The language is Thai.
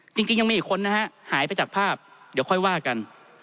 จริงยังมีอีกคนนะฮะหายไปจากภาพเดี๋ยวค่อยว่ากัน